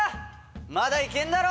まだイケんだろ！